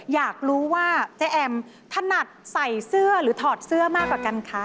อยากรู้ว่าเจ๊แอมถนัดใส่เสื้อหรือถอดเสื้อมากกว่ากันคะ